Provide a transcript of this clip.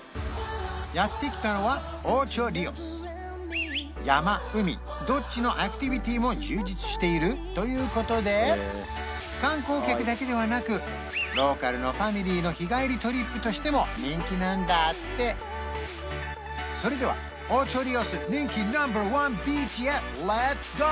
やって来たのは山海どっちのアクティビティも充実しているということで観光客だけではなくローカルのファミリーの日帰りトリップとしても人気なんだってそれではオーチョ・リオスレッツゴー！